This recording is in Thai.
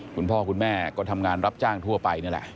คุณพ่อคุณแม่ก็ทำงานรับจ้างทั่วไปนี่แหละ